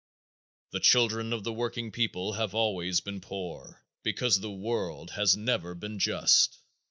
The children of the working people have always been poor because the world has never been just.